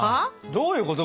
どういうこと？